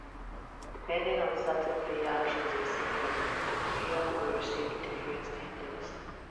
Depending on certain player actions in Symphony, the player will receive different endings.